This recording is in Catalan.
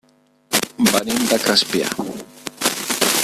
Venim de Crespià.